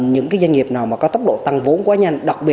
những doanh nghiệp nào có tốc độ tăng vốn quá nhanh